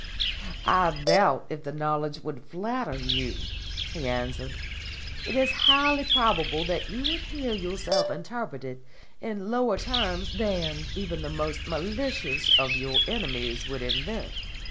"I doubt if the knowledge would flatter you," he answered. "It is highly probable that you would hear yourself interpreted in lower terms than even the most malicious of your enemies could invent.